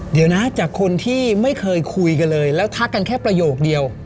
เดี๋ยวนะจากคนที่ไม่เคยคุยกันเลยแล้วทักกันแค่ประโยคเดียว